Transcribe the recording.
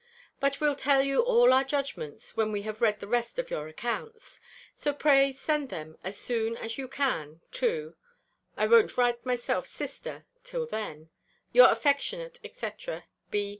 But we'll tell you all our judgments, when we have read the rest of your accounts. So pray send them as soon as you can, to (I won't write myself sister till then) your affectionate, &c. B.